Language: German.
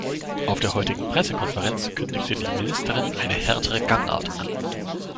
Auf der heutigen Pressekonferenz kündigte die Ministerin eine härtere Gangart an.